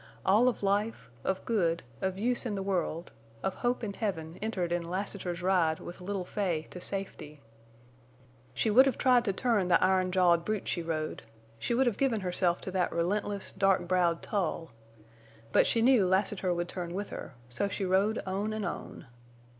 All of life, of good, of use in the world, of hope in heaven entered in Lassiter's ride with little Fay to safety. She would have tried to turn the iron jawed brute she rode, she would have given herself to that relentless, dark browed Tull. But she knew Lassiter would turn with her, so she rode on and on.